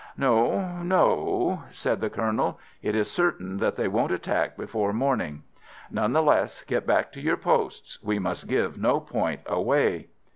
"No, no," said the Colonel; "it is certain that they won't attack before morning. None the less, get back to your posts. We must give no point away."